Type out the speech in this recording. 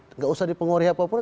tidak usah dipengaruhi apapun